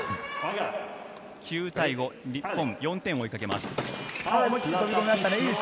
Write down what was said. ９対５、日本４点を追いかけます。